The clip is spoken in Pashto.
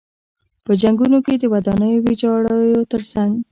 په جنګونو کې د ودانیو ویجاړیو تر څنګ.